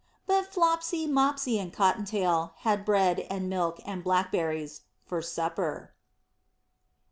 But Flopsy, Mopsy, and Cotton tail had bread and milk and blackberries, for supper.